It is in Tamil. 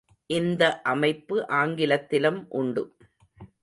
இந்த அமைப்பு ஆங்கிலத்திலும் உண்டு.